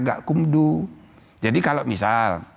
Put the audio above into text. gak kumdu jadi kalau misal